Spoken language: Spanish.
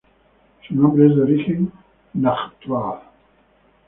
Su nombre es de origen náhuatl.